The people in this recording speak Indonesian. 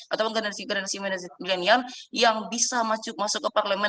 ataupun generasi generasi milenial yang bisa masuk ke parlemen